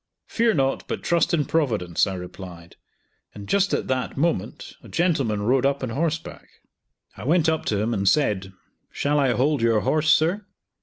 "Fear not, but trust in Providence," I replied; and just at that the moment a gentleman rode up on horseback. I went up to him, and said, "shall I hold your horse, sir?"